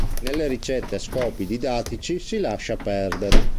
Nelle ricette a scopi didattici si lascia perdere.